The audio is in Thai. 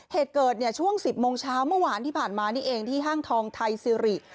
เหตุเกิดเนี่ยช่วง๑๐โมงเช้าเมื่อวานที่ผ่านมานี่เองที่ห้างทองไทยซิริ